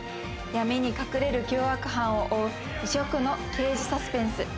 闇に隠れる凶悪犯を追う異色の刑事サスペンス